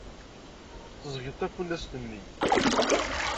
Teẓẓeg-d tafunast-nni.